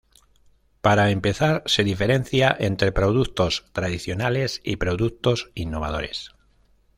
Para empezar, se diferencia entre productos tradicionales y productos innovadores.